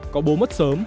có bố mất sớm